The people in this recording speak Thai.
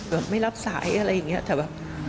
แบบไม่รับสายอะไรอย่างนี้แต่แบบ